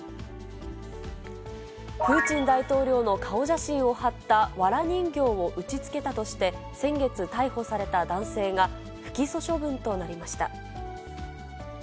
プーチン大統領の顔写真を貼ったわら人形を打ちつけたとして、先月逮捕された男性が、不起訴処分となりました。